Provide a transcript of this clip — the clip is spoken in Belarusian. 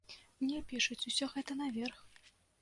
Не, пішуць усё гэта наверх!